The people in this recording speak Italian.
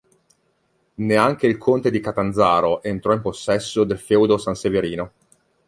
Neanche il conte di Catanzaro entrò in possesso del feudo sanseverino.